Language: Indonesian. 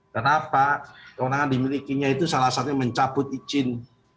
kenapa kewenangan dimilikinya itu salah satunya mencabut izin